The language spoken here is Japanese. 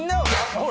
ほら！